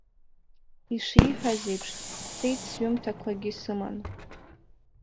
Ишиҳәаз еиԥш, сцеит сҩымҭақәагьы сыманы.